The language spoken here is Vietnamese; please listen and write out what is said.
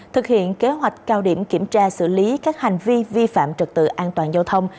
thực hiện kế hoạch cao điểm kiểm tra xử lý các hành vi vi phạm trật tự an toàn giao thông